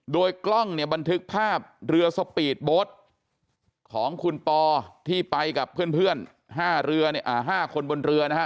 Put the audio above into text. โดยกล้องเนี่ยบันทึกภาพเรือสปีดโบ๊ทของคุณปอที่ไปกับเพื่อน๕เรือ๕คนบนเรือนะฮะ